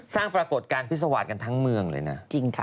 สร้างประกวดการพิษวาสกันทั้งเมืองเลยนะ